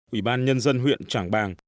ủy ban nhân dân huyện trảng bàng